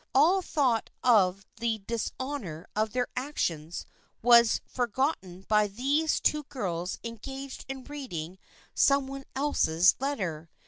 All thought of the dishonor of their actions was for gotten by these two girls engaged in reading some one else's letter.